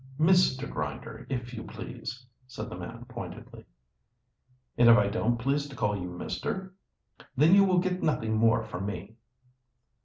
"Mr. Grinder, if you please," said the man pointedly. "And if I don't please to call you Mister?" "Then you will get nothing more from me."